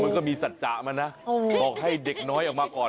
มันก็มีสัตว์จ๋ามานะโอ้วออกให้เด็กน้อยออกมาก่อน